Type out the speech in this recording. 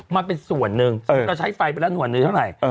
มันเป็นส่วนหนึ่งเราใช้ไฟไปแล้วหน่วยหนึ่งเท่าไหร่